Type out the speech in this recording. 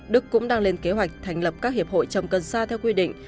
đức cũng đang lên kế hoạch thành lập các hiệp hội trồng cần sa theo quy định